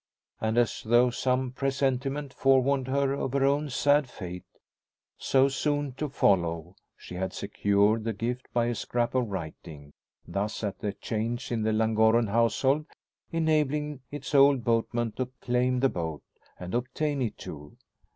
And as though some presentiment forewarned her of her own sad fate, so soon to follow, she had secured the gift by a scrap of writing; thus at the change in the Llangorren household enabling its old boatman to claim the boat, and obtain it too.